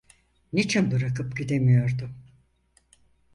Niçin bırakıp gidemiyordum?